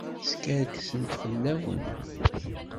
Skerksent fell-awen.